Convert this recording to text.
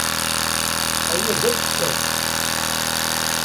Aya d afessas.